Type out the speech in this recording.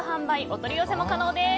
お取り寄せも可能です。